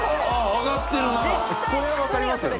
これは分かりますよね。